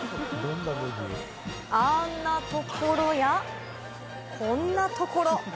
あんなところや、こんなところ。